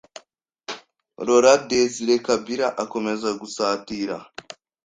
Laurent Désiré Kabila akomeza gusatira